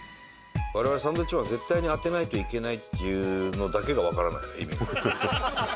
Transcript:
我々サンドウィッチマンは絶対に当てないといけないっていうのだけがわからない意味が。